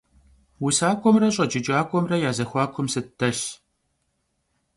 УсакӀуэмрэ щӀэджыкӀакӀуэмрэ я зэхуакум сыт дэлъ?